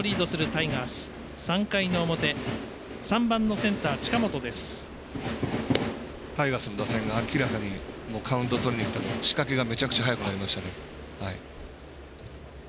タイガースの打線が明らかにカウントをとりにきてから仕掛けがめちゃくちゃ早くなりましたね。